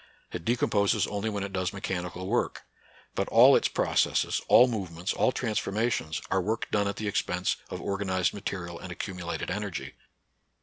It de composes only when it does mechanical work. But all its processes, all movements, all trans NATURAL SCIENCE AND RELIGION. 27 formations, are work done at the expense of organized material and accumulated energy.